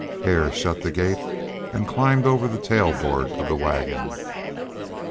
Hare shut the gate and climbed over the tail board of the wagon.